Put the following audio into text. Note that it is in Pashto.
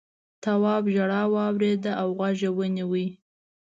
تواب ژړا واورېده او غوږ یې ونيو.